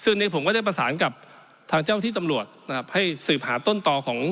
ซึ่งตอนนี้ผมได้ประสานกับทางเจ้าที่ตำรวจให้สีผ่านต้นต่อ